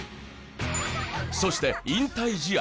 そして引退試合